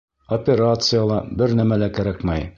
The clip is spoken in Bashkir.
Операция ла, бер нәмә лә кәрәкмәй.